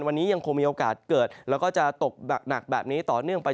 วันนี้ยังคงมีโอกาสเกิดแล้วก็จะตกหนักแบบนี้ต่อเนื่องไป